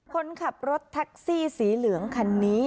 คนขับรถแท็กซี่สีเหลืองคันนี้